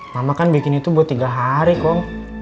mama kan bikin itu buat tiga hari kok